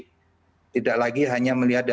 jadi tidak lagi hanya melihatnya